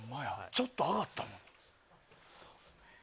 ちょっと上がったのに。